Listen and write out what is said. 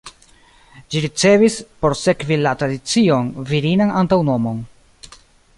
Ĝi ricevis, por sekvi la tradicion, virinan antaŭnomon.